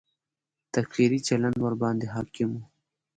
تکفیري چلند ورباندې حاکم و.